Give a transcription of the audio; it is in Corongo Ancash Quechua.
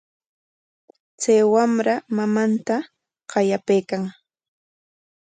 Chay wamra mamanta waqapaykan.